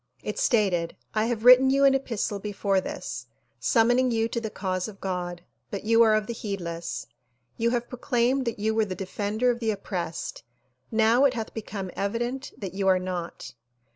It stated "I have written you an epistle before this, summoning you to the cause of God but you are of the heedless. You have proclaimed that you were the defender of the oppressed; now it hath become evident that you are not.